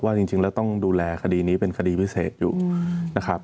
จริงแล้วต้องดูแลคดีนี้เป็นคดีพิเศษอยู่นะครับ